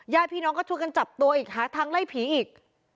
ญาติพี่น้องก็ช่วยกันจับตัวอีกหาทางไล่ผีอีก